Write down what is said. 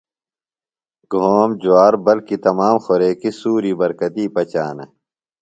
گھوم، جُوار بلکہ تمام خوریکیۡ سُوری برکتی پچانہ۔